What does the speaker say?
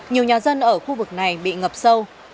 nhiều nhà dân ở khu vực này bị ngập sâu